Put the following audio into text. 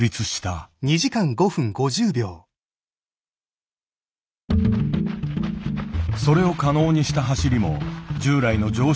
それを可能にした走りも従来の常識を覆すもの。